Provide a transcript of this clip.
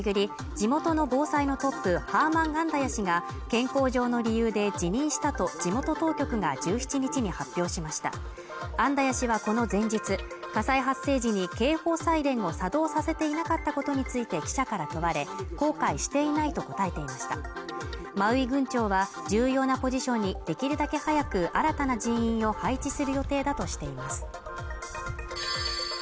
地元の防災のトップハーマン・アンダヤ氏が健康上の理由で辞任したと地元当局が１７日に発表しましたアンダヤ氏はこの前日、火災発生時に警報サイレンを作動させていなかったことについて記者から問われ後悔していないと答えていましたマウイ郡長は重要なポジションにできるだけ早く新たな人員を配置する予定だとしています